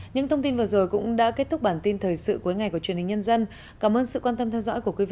những thông tin vừa rồi cũng đã kết thúc bản tin thời sự cuối ngày của truyền hình nhân dân cảm ơn sự quan tâm theo dõi của quý vị